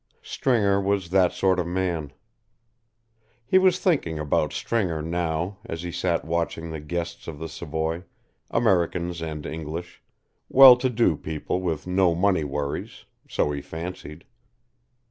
Stringer was that sort of man. He was thinking about Stringer now, as he sat watching the guests of the Savoy, Americans and English, well to do people with no money worries, so he fancied.